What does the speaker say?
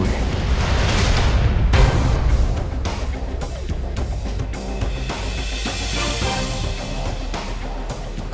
gak ada apa apa